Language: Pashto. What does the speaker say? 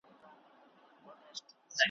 چي د ټولني واقعیتونو او د شاعراحساساتو ته `